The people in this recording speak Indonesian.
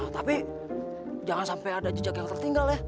tapi jangan sampai ada jejak yang tertinggal ya